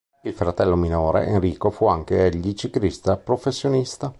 Il fratello minore, Enrico, fu anch'egli ciclista professionista.